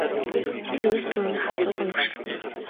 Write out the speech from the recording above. Тэр вискиний үнэр ханхлуулан урагш алхав.